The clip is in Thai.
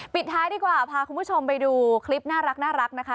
ปิดท้ายดีกว่าพาคุณผู้ชมไปดูคลิปน่ารักนะคะ